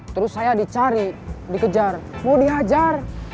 terus saya dicari dikejar mau dihajar